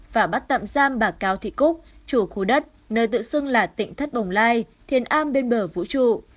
và bắt tạm giam bà cao thị cúc chủ khu đất nơi tự xưng là tỉnh thất bồng lai thiền a bên bờ vũ trụ